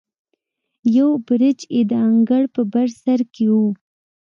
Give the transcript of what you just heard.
یو برج یې د انګړ په بر سر کې و.